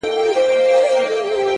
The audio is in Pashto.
• اورنګ زېب هم محتسب وو هم سلطان وو,